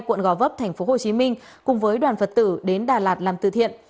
quận gò vấp thành phố hồ chí minh cùng với đoàn phật tử đến đà lạt làm từ thiện